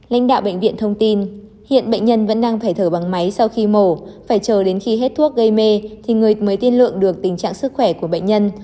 lãnh đạo bệnh viện thông tin hiện bệnh nhân vẫn đang phải thở bằng máy sau khi mổ phải chờ đến khi hết thuốc gây mê thì người mới tiên lượng được tình trạng sức khỏe của bệnh nhân